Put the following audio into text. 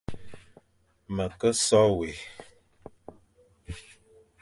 Me ke so wé,